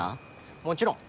もちろん。